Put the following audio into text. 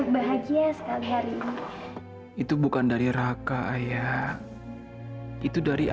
bahagia sekali hari itu bukan dari raka ayah itu dari